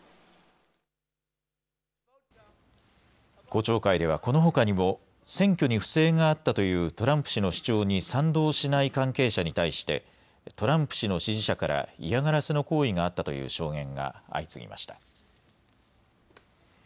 公聴会ではこのほかにも選挙に不正があったというトランプ氏の主張に賛同しない関係者に対してトランプ氏の支持者から嫌がらせの行為があったという証言が相次ぎました。